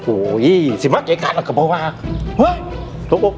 โอ้ยสิมะไกลกันอะก็มันทำหน้าที่นักข่าวไง